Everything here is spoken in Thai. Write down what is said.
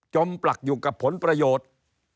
ปลักอยู่กับผลประโยชน์